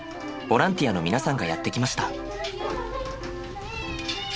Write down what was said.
ボランティアの皆さんがやって来ました。